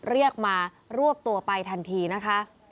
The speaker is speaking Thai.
เรียกมารวบตัวไปทันทีนะคะ